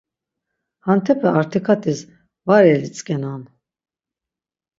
Hantepe artikatis var elitzǩenan.